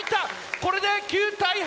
これで９対８！